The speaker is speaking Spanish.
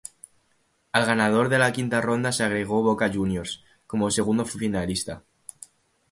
Al ganador de la quinta ronda se agregó Boca Juniors, como segundo finalista.